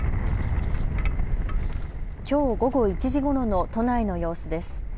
きょう午後１時ごろの都内の様子です。